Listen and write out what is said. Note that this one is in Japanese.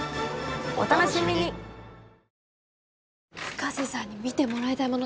深瀬さんに見てもらいたいもの